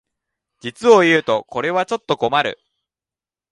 実をいうとこれはちょっと困る